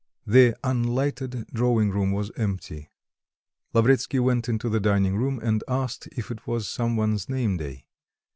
The unlighted drawing room was empty. Lavretsky went into the dining room and asked if it was some one's name day.